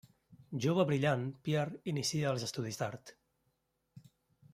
Jove brillant, Pierre inicia els estudis d'art.